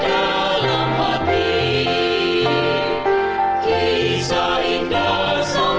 kalau aku suka ceritakan